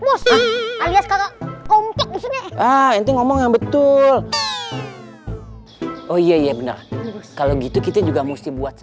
bos alias kalau kompak itu ngomong yang betul oh iya benar kalau gitu kita juga mesti buat